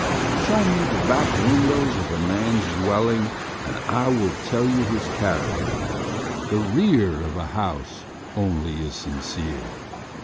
Show me the back windows of a man's dwelling, and I will tell you his character. The = rear of a house only is sincere.